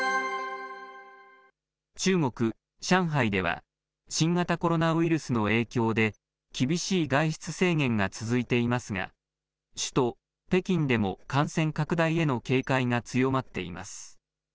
中国・上海では、新型コロナウイルスの影響で、厳しい外出制限が続いていますが、首都北京でも、感染拡大への警戒が強まっています。